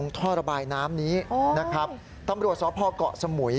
ท่อระบายน้ำนี้นะครับตำรวจสพเกาะสมุย